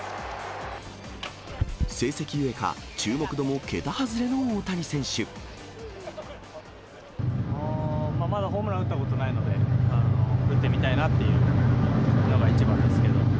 成績ゆえか、まだホームラン打ったことないので、打ってみたいなっていうのが一番ですけど。